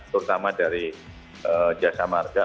terutama dari jasa marga